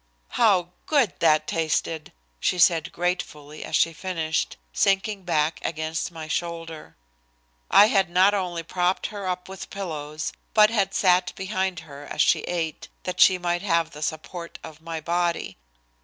"How good that tasted!" she said gratefully as she finished, sinking back against my shoulder. I had not only propped her up with pillows, but had sat behind her as she ate, that she might have the support of my body.